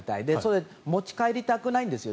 持ち帰りたくないんですよ。